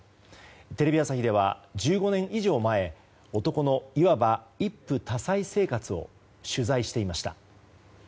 テレビ朝日では１５年以上前男のいわば一夫多妻生活を取材していました。